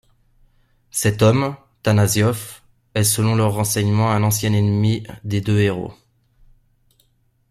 Cet homme, Tanaziof, est selon leurs renseignements un ancien ennemi des deux héros.